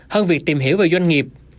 hơn việc tìm hiểu về doanh nghiệp